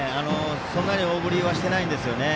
そんなに大振りはしてないんですよね。